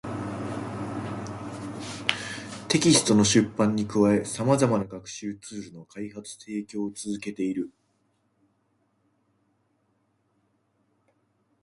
テキストの出版に加え、様々な学習ツールの開発・提供を続けている